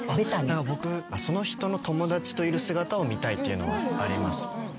僕その人の友達といる姿を見たいっていうのはあります。